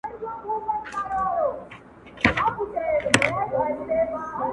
نه له درملو نه توري تښتې.!